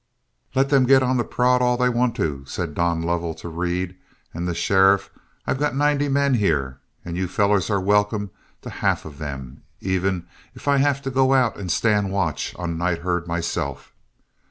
"Let them get on the prod all they want to," said Don Lovell to Reed and the sheriff. "I've got ninety men here, and you fellows are welcome to half of them, even if I have to go out and stand a watch on night herd myself.